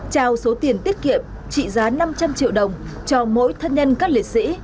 trao số tiền tiết kiệm trị giá năm trăm linh triệu đồng cho mỗi thân nhân các liệt sĩ